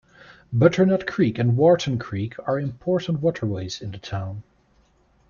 Butternut Creek and Wharton Creek are important waterways in the town.